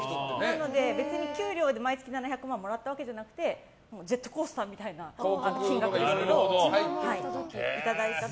なので給料で毎月７００万もらったわけじゃなくてジェットコースターみたいな金額ですけど。